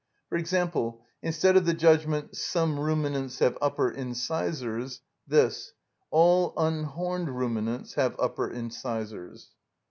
For example, instead of the judgment, "Some ruminants have upper incisors," this, "All unhorned ruminants have upper incisors."